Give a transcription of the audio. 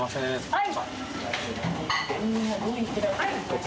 はい。